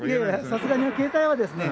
さすがに携帯はですね